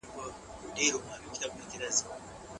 صالحه ميرمن د خاوند د حقوقو ساتنه کوي.